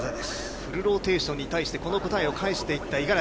フルローテーションに対して、この答えを返していった五十嵐。